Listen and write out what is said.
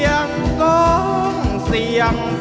กลับไปที่นี่